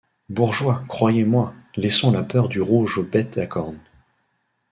Bourgeois, croyez-moi, laissons la peur du rouge aux bêtes à cornes.